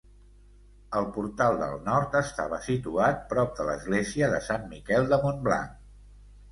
El portal del Nord estava situat prop de l'església de Sant Miquel de Montblanc.